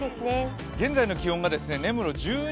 現在の気温が根室１２．５度。